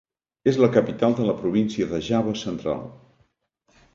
És la capital de la província de Java Central.